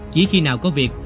chỉ khi nào có việc